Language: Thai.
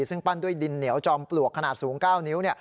ซึ่งปั้นด้วยดินเหนียวจอมปลวกขนาดสูง๙นิ้ว